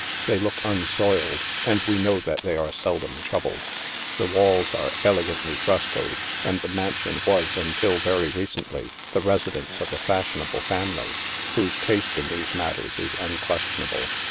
They look unsoiled and we know that they are seldom troubled. The walls are elegantly frescoed, for the mansion was, until very recent ly, the residence of a fashionable family, whose taste in these mat ters is unquestionable.